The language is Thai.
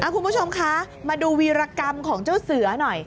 คุณผู้ชมคะมาดูวีรกรรมของเจ้าเสือหน่อย